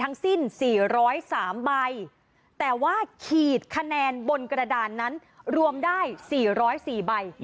ทั้งสิ้น๔๐๓ใบแต่ว่าขีดคะแนนบนกระดานนั้นรวมได้๔๐๔ใบ